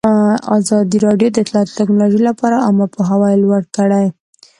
ازادي راډیو د اطلاعاتی تکنالوژي لپاره عامه پوهاوي لوړ کړی.